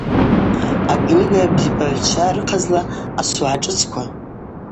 Акнига бзибагӏвчва рыхъазла асогӏа шӏыцква.